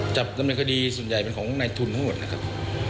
จับดำเนินคดีส่วนใหญ่เป็นของในทุนทั้งหมดนะครับ